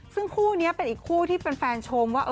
ซึ่งคู่นี้เป็นอีกคู่ที่แฟนชมว่า